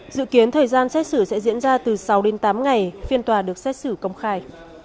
dự kiến thời gian xét xử sẽ diễn ra từ sáu đến tám ngày phiên tòa được xét xử công khai